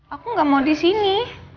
aku gak mau disini